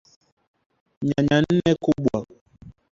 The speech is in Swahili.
Nyanya nne kubwa